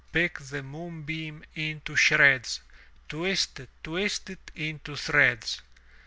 Pick the moonbeam into shreds. Twist it, twist it into threads!